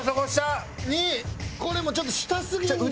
これもちょっと下すぎんねん。